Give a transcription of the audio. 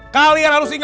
kalian harus ingat